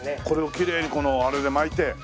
これをきれいにあれで巻いて。